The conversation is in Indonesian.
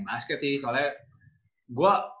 basket sih soalnya gue